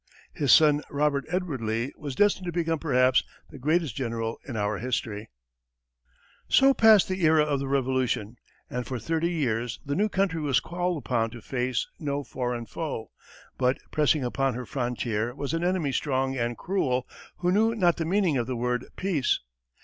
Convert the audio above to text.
His son, Robert Edward Lee, was destined to become perhaps the greatest general in our history. So passed the era of the Revolution, and for thirty years the new country was called upon to face no foreign foe; but pressing upon her frontier was an enemy strong and cruel, who knew not the meaning of the word "peace."